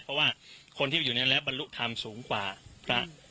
เพราะว่าคนที่อยู่ในและบรรลุธรรมสูงกว่าพระ